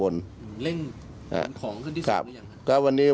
คุณพี่ถู้สึกอย่างหนึ่งครับก็วันนี้